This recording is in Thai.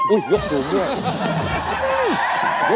อุ้ยยกสูงด้วย